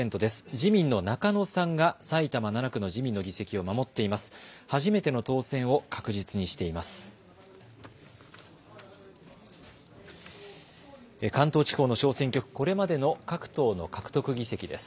自民の中野さんが埼玉７区の自民の議席を守っています。